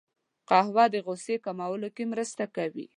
قهوه د غوسې کمولو کې مرسته کوي